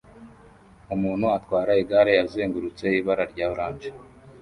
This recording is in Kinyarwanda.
Umuntu atwara igare azengurutse ibara rya orange